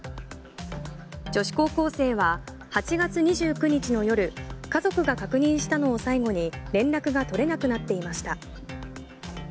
女子高校生は８月２９日の夜家族が確認したのを最後に連絡が取れなくなっていました。